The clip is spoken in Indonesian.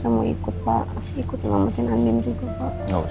waktunya ada yang orang lain